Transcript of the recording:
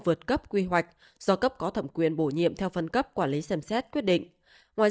vượt cấp quy hoạch do cấp có thẩm quyền bổ nhiệm theo phân cấp quản lý xem xét quyết định ngoài